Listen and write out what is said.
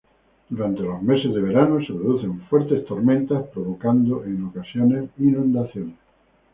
Durante los meses de verano se producen fuertes tormentas, provocando en ocasiones inundaciones.